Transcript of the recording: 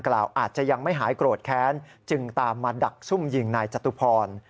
อาจจะยังไม่หายโกรธแค้นจึงตามมาดักซุ่มยิงนายจตุพร